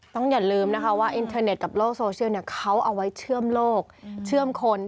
อย่าลืมนะคะว่าอินเทอร์เน็ตกับโลกโซเชียลเขาเอาไว้เชื่อมโลกเชื่อมคน